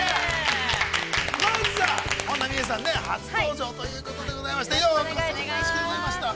まずは、本田望結さん、初登場ということでございまして、ようこそお越しくださいました。